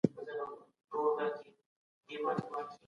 ما خپله دنده ترسره کړه.